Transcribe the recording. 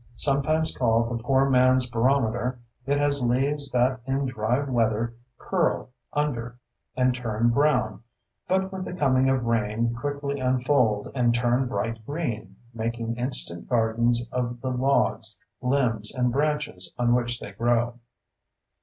Sometimes called the poor man's barometer, it has leaves that in dry weather curl under and turn brown but with the coming of rain quickly unfold and turn bright green, making instant gardens of the logs, limbs, and branches on which they grow.